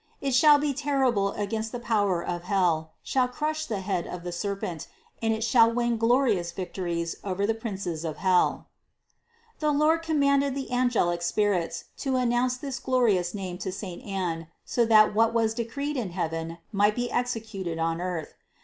It shall be terrible against the power of hell, it shall crush the head of the serpent and it shall win glorious victories over the princes of hell." The Lord commanded the angelic spirits to announce this glorious name to saint Anne, so that what was decreed in heaven might be executed on earth.